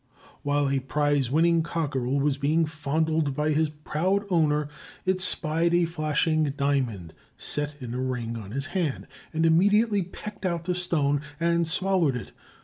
While a prize winning cockerel was being fondled by his proud owner, it spied a flashing diamond set in a ring on his hand, and immediately pecked out the stone and swallowed it.